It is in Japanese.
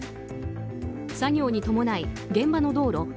作業に伴い現場の道路